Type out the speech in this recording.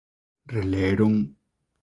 Releron.